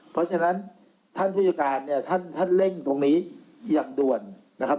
เพราะฉะนั้นท่านผู้จัดการเนี่ยท่านเร่งตรงนี้อย่างด่วนนะครับ